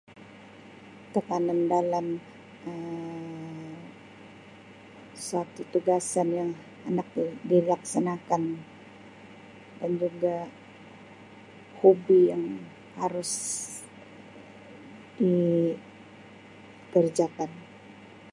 Tekanan dalam Um satu tugasan yang hendak di-dilaksanakan dan juga hobi yang harus dikerjakan.